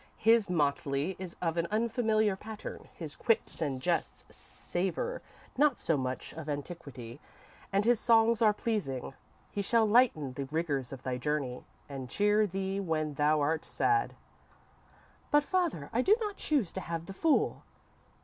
His motley is of an unfamiliar pattern, his quips and jests savour not so much of antiquity, and his songs are pleasing. He shall lighten the rigours of thy journey and cheer thee when thou art sad."_ _"But, father, I do not choose to have the fool."